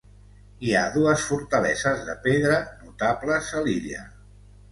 Hi ha dues fortaleses de pedra notables a l'illa.